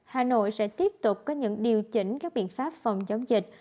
hà nội sẽ tiếp tục có những điều chỉnh các biện pháp phòng chống dịch